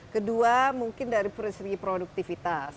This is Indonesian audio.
kedua mungkin dari segi produktivitas